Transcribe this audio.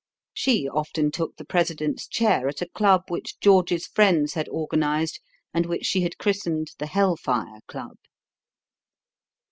She often took the president's chair at a club which George's friends had organized and which she had christened the Hell Fire Club.